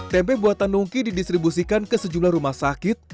tempe buatan nungki didistribusikan ke sejumlah rumah sakit